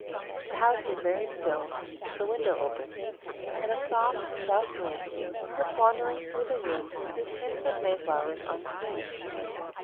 The house was very still, the window open, and a soft south wind was wandering through the room with hints of May flowers on its wings.